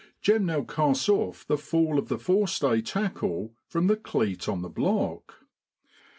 Jem now casts off the fall of the forestay tackle from the cleat on the block.